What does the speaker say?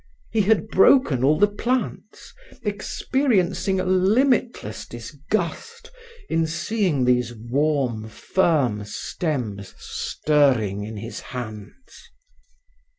He had broken all the plants, experiencing a limitless disgust in seeing these warm, firm stems stirring in his hands.